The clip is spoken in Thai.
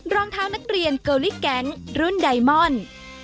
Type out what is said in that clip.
รองเท้านักเรียนเกอรี่แก๊งรุ่นไดมอนด์